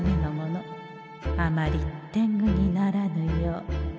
あまりてんぐにならぬよう。